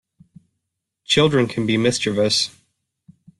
Children can be mischievous.